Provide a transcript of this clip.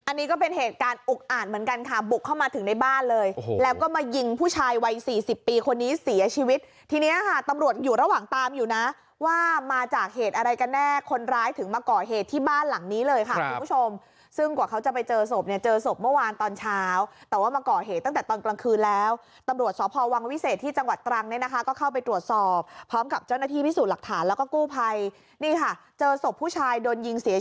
อันนี้ก็เป็นเหตุการณ์อุกอ่านเหมือนกันค่ะบุกเข้ามาถึงในบ้านเลยแล้วก็มายิงผู้ชายวัยสี่สิบปีคนนี้เสียชีวิตทีนี้ค่ะตำรวจอยู่ระหว่างตามอยู่นะว่ามาจากเหตุอะไรกันแน่คนร้ายถึงมาก่อเหตุที่บ้านหลังนี้เลยค่ะคุณผู้ชมซึ่งกว่าเขาจะไปเจอศพเนี่ยเจอศพเมื่อวานตอนเช้าแต่ว่ามาก่อเหตุตั้งแต่ตอนกลางคืนแล